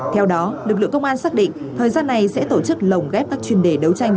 theo đó lực lượng công an xác định thời gian này sẽ tổ chức lồng ghép các chuyên đề đấu tranh